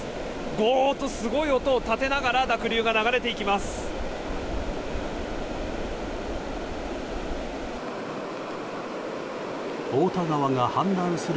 ゴーっとすごい音を立てながら濁流が流れていきます。